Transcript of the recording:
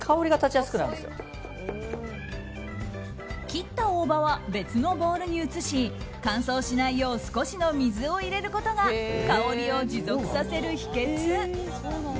切った大葉は別のボウルに移し乾燥しないよう少しの水を入れることが香りを持続させる秘訣。